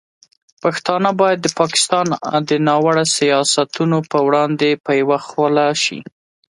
پښتانه باید د پاکستان د ناوړه سیاستونو پر وړاندې په یوه خوله شي.